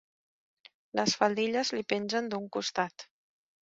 Les faldilles li pengen d'un costat.